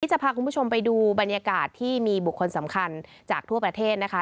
จะพาคุณผู้ชมไปดูบรรยากาศที่มีบุคคลสำคัญจากทั่วประเทศนะคะ